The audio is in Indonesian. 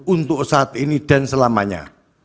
untuk saat ini dan selamanya